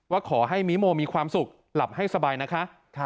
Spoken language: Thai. ว่าขอให้มิโมมีความสุขหลับให้สบายนะคะ